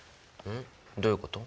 どういうこと？